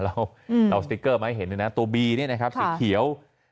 เราสติ๊กเกอร์มาให้เห็นเลยนะตัวบีนี่นะครับสีเขียว